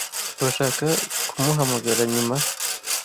Urashaka kumuhamagara nyuma?